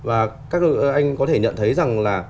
anh có thể nhận thấy rằng là